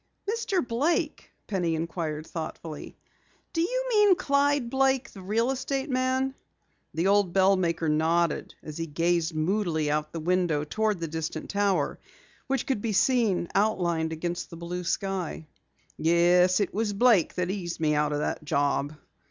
"Mr. Blake?" Penny inquired thoughtfully. "Do you mean Clyde Blake, the real estate man?" The old bell maker nodded as he gazed moodily out the window toward the distant tower which could be seen outlined against the blue sky. "Yes, it was Blake that eased me out of that job.